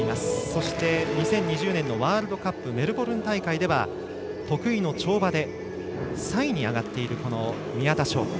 そして、２０２０年のワールドカップメルボルン大会では得意の跳馬で３位に上がっている宮田笙子。